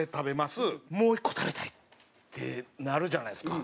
もう１個食べたいってなるじゃないですか。